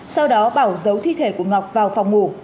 sau đó bảo giấu thi thể của ngọc vào phòng ngủ